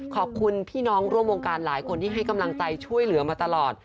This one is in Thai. ขอบคุณพี่น้องร่วมวงการหลายคนที่ให้กำลังใจช่วยเหลือมาตลอด